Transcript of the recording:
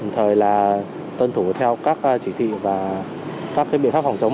thời là tuân thủ theo các chỉ thị và các biện pháp phòng chống